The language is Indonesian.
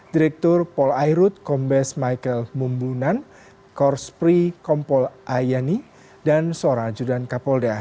direktur paul ayrut kombes michael mumbunan kors pri kompol ayani dan sorajudan kapolda